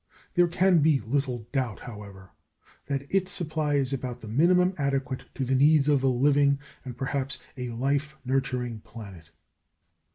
There can be little doubt, however, that its supply is about the minimum adequate to the needs of a living, and perhaps a life nuturing planet.